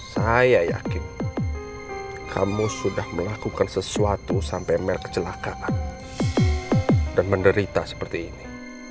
saya yakin kamu sudah melakukan sesuatu sampai mer kecelakaan dan menderita seperti ini